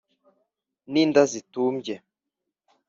n’inda zitumbye